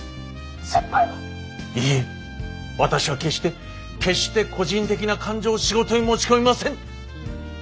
先輩は「いいえ私は決して決して個人的な感情を仕事に持ち込みません！」。